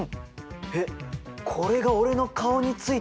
えっこれが俺の顔についてた菌！？